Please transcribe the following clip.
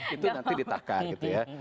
itu nanti ditakar gitu ya